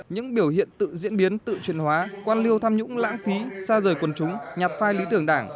những biểu hiện tự diễn biến tự truyền hóa quan liêu tham nhũng lãng phí xa rời quần chúng nhặt phai lý tưởng đảng